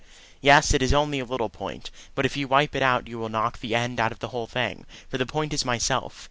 "Yes; it is only a little point. But if you wipe it out you will knock the end out of the whole thing for the point is myself.